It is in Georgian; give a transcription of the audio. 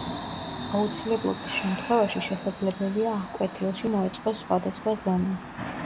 აუცილებლობის შემთხვევაში შესაძლებელია აღკვეთილში მოეწყოს სხვადასხვა ზონა.